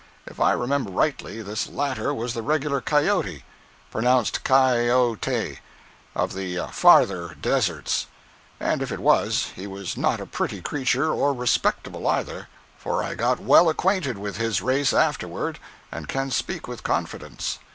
If I remember rightly, this latter was the regular cayote (pronounced ky o te) of the farther deserts. And if it was, he was not a pretty creature or respectable either, for I got well acquainted with his race afterward, and can speak with confidence.